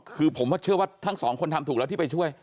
คือผมเชื่อว่าทั้งสองคนทำถูกแล้วที่ไปช่วย